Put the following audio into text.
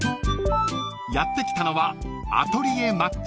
［やって来たのは］